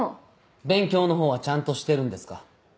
勉強の方はちゃんとしてるんですか？